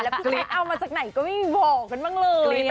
แล้วพี่สี๒๐๐๐เอามาจากไหนก็ไม่มีบ่อยเหมือนมึงเลย